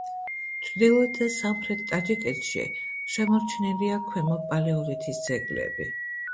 ჩრდილოეთ და სამხრეთ ტაჯიკეთში შემორჩენილია ქვემო პალეოლითის ძეგლები.